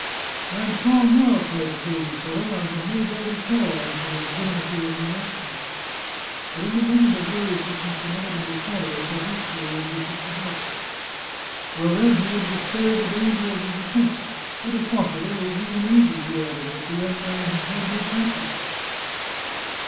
" I am strong now," cried the crazy fellow. " I have no doubt at all as to the legitimacy of my action." " But in the moment of rage which must inevitably fol low, Fabrizio would be put to death." " Well, then he would be spared the danger of his de scent. It is possible, it is even easy," he added, " but the young man has had no practice."